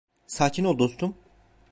Sakin ol dostum.